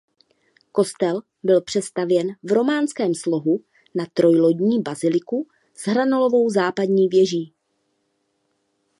Kostel byl přestavěn v románském slohu na trojlodní baziliku s hranolovou západní věží.